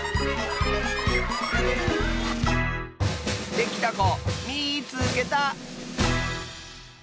できたこみいつけた！